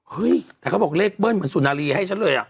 เฮ้ยแต่เขาบอกเลขเบิ้ลเหมือนสุนารีให้ฉันเลยอ่ะ